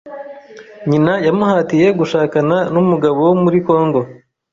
nyina yamuhatiye gushakana n’umugabo wo muri Kongo